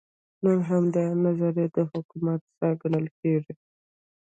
نن همدا نظریه د حکومت ساه ګڼل کېږي.